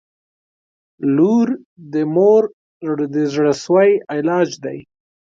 • لور د مور د زړسوي علاج دی.